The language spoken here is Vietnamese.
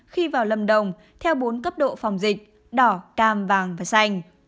khi vào lâm đồng theo bốn cấp độ phòng dịch đỏ cam vàng và xanh